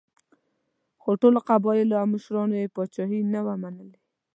خو ټولو قبایلو او مشرانو یې پاچاهي نه وه منلې.